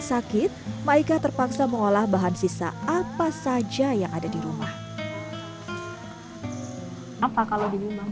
sakit maika terpaksa mengolah bahan sisa apa saja yang ada di rumah apa kalau di rumah